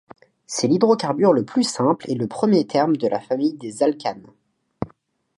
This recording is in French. C'est l'hydrocarbure le plus simple, et le premier terme de la famille des alcanes.